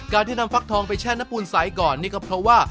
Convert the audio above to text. ที่นำฟักทองไปแช่น้ำปูนใสก่อนนี่ก็เพราะว่า